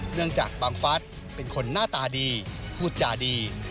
เนื่องจากบังฟัสเป็นคนหน้าตาดีพูดจาดี